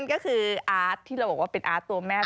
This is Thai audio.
ก็คืออาร์ตที่เราบอกว่าเป็นอาร์ตตัวแม่